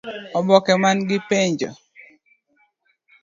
Oboke man gi penjo: